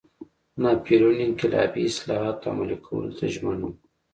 ناپلیون انقلابي اصلاحاتو عملي کولو ته ژمن و.